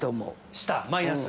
下マイナス。